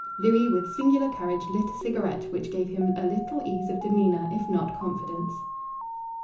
Louis, with singular courage, lit a cigarette, which gave him a little ease of demeanour, if not confidence.